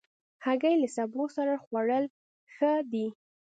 هګۍ له سبو سره خوړل ښه دي.